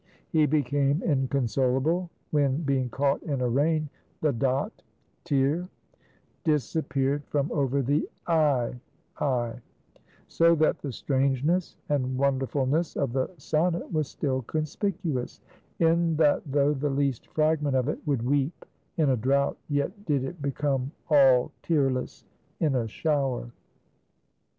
He became inconsolable, when being caught in a rain, the dot (tear) disappeared from over the i (eye); so that the strangeness and wonderfulness of the sonnet was still conspicuous; in that though the least fragment of it could weep in a drought, yet did it become all tearless in a shower.